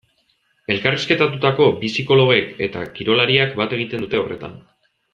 Elkarrizketatutako bi psikologoek eta kirolariak bat egiten dute horretan.